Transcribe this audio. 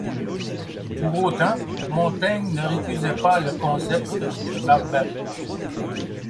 Pour autant, Montaigne ne récusait pas le concept de barbarie.